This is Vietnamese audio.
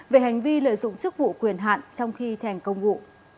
về hành vi lợi dụng chức vụ quyền hạn trong khi thành công vụ